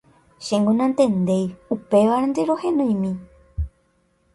Chéngo nantendéi upévarente rohenoimi.